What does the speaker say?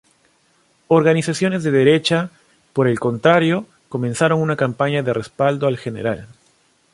Organizaciones de derecha, por el contrario, comenzaron una campaña de respaldo al general.